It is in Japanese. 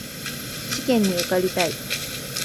試験に受かりたい